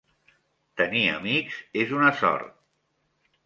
Tenir amics és una sort.